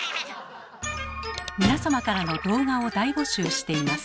皆様からの動画を大募集しています。